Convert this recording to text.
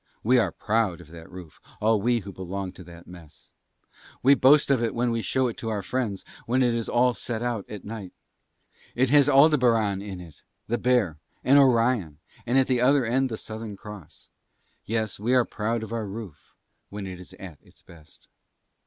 We are proud of that roof, all we who belong to that Mess. We boast of it when we show it to our friends when it is all set out at night. It has Aldebaran in it, the Bear and Orion, and at the other end the Southern Cross. Yes we are proud of our roof when it is at its best.